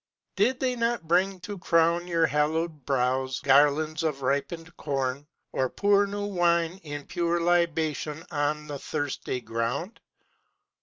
Did they not bring to crown your hallowed brows Garlands of ripest corn, or pour new wine In pure libation on the thirsty ground?